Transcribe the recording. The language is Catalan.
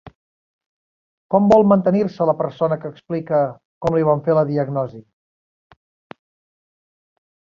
Com vol mantenir-se la persona que explica com li van fer la diagnosi?